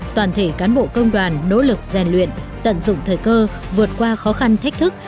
toàn thể cán bộ công đoàn nỗ lực rèn luyện tận dụng thời cơ vượt qua khó khăn thách thức